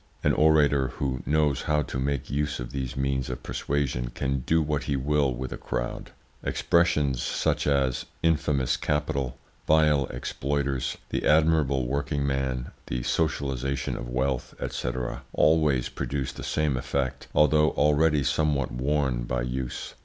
An orator who knows how to make use of these means of persuasion can do what he will with a crowd. Expressions such as infamous capital, vile exploiters, the admirable working man, the socialisation of wealth, &c., always produce the same effect, although already somewhat worn by use.